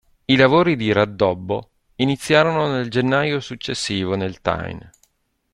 I lavori di raddobbo iniziarono nel gennaio successivo nel Tyne.